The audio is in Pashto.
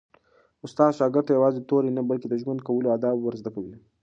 استاد شاګرد ته یوازې توري نه، بلکي د ژوند کولو آداب ور زده کوي.